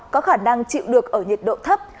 có khả năng chịu được ở nhiệt độ thấp